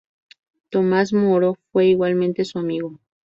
Tomás Moro fue igualmente su amigo.